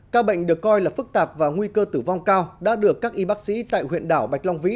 các bệnh được coi là phức tạp và nguy cơ tử vong cao đã được các y bác sĩ tại huyện đảo bạch long vĩ